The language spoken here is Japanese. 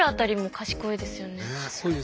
賢いですね。